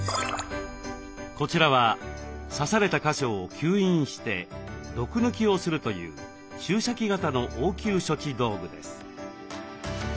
こちらは刺された箇所を吸引して毒抜きをするという注射器型の応急処置道具です。